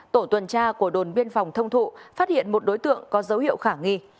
tổ tuần tra của đồn biên phòng thông thụ phát hiện một đối tượng có dấu hiệu khả nghi